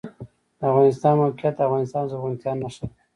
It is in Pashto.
د افغانستان موقعیت د افغانستان د زرغونتیا نښه ده.